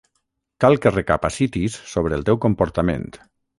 Cal que recapacitis sobre el teu comportament.